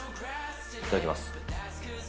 いただきます。